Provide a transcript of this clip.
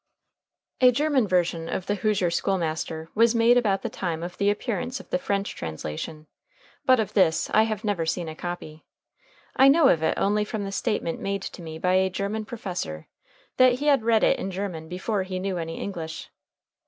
A German version of "The Hoosier School Master" was made about the time of the appearance of the French translation, but of this I have never seen a copy. I know of it only from the statement made to me by a German professor, that he had read it in German before he knew any English.